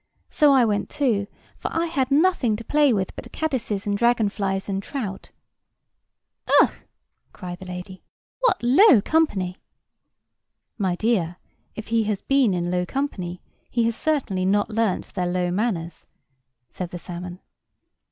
So I went too; for I had nothing to play with but caddises and dragon flies and trout." "Ugh!" cried the lady, "what low company!" "My dear, if he has been in low company, he has certainly not learnt their low manners," said the salmon.